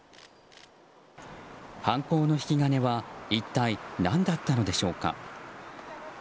犯行の引き金は一体何だったのでしょうか。